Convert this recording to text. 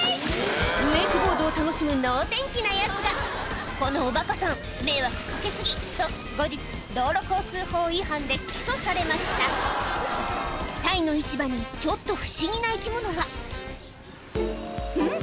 ウェイクボードを楽しむ能天気なヤツがこのおバカさん迷惑掛け過ぎ！と後日道路交通法違反で起訴されましたタイの市場にちょっと不思議な生き物がん？